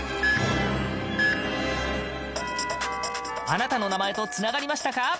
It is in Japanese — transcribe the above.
あなたの名前とつながりましたか？